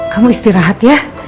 kamu istirahat ya